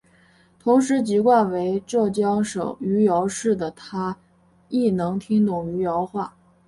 同时籍贯为浙江省余姚市的她亦能听懂余姚话。